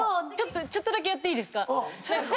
ちょっとだけやっていいですか？